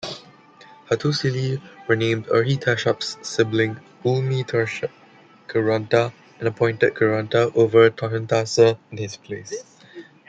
Hattusili renamed Urhi-Teshup's sibling Ulmi-Teshup "Kurunta" and appointed Kurunta over Tarhuntassa in his place.